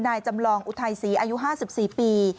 จำลองอุทัยศรีอายุ๕๔ปี